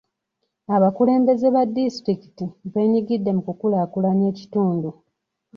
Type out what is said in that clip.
Abakulembeze ba disitulikiti beenyigidde mu kukulaakulanya ekitundu.